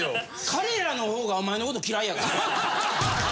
彼らの方がお前のこと嫌いやからな。